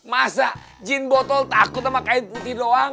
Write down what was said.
masa jin botol takut sama kain putih doang